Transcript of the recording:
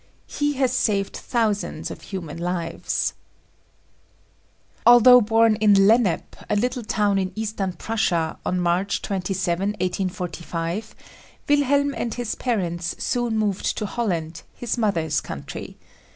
He has saved thousands of human lives. Although born in Lennep, a little town in Eastern Prussia on March 27, 1845, Wilhelm and his parents soon moved to Holland, his mother's country.